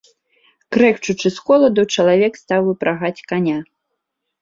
Крэкчучы з холаду, чалавек стаў выпрагаць каня.